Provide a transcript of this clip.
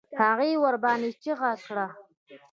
هغې ورباندې چيغه کړه.